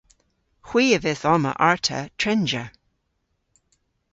Hwi a vydh omma arta trenja.